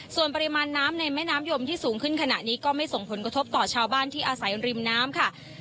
ส่วนปริมาณน้ำในแม่น้ำยมที่สูงขึ้นขณะนี้ก็ไม่ส่งผลกระทบต่อชาวบ้านที่อาศัยริมน้ำค่ะ